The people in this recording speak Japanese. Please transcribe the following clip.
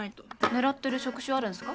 狙ってる職種あるんすか？